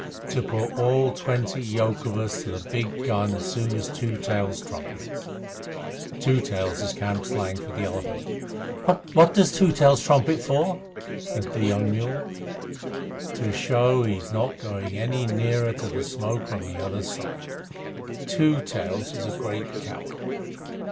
To put all twenty yoke of us to the big gun as soon as Two Tails trumpets." ("Two Tails" is camp slang for the elephant.) "What does Two Tails trumpet for?" said the young mule. "To show that he is not going any nearer to the smoke on the other side. Two Tails is a great coward.